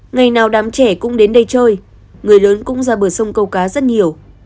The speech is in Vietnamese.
ngày nào đám trẻ cũng đến đây chơi người lớn cũng ra bờ sông câu cá rất nhiều